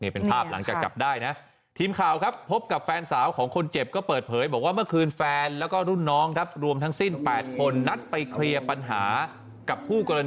เป็นภาพหลังจากกลับได้นะครับ